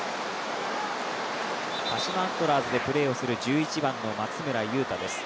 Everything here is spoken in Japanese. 鹿島アントラーズでプレーをする１１番の松村優太です。